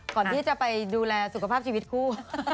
ก่อนที่จะไปดูแลสุขภาพชีวิตคู่